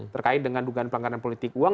terkait dengan dugaan pelanggaran politik uang